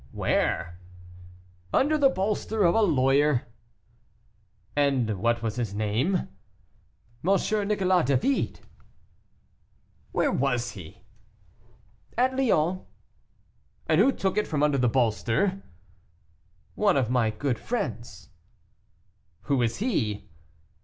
"Where?" "Under the bolster of a lawyer." "And what was his name?" "M. Nicolas David." "Where was he?" "At Lyons." "And who took it from under the bolster?" "One of my good friends." "Who is he?"